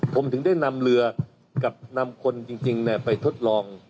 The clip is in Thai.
ผมถึงได้นำเรือกับนำคนจริงไปทดลอง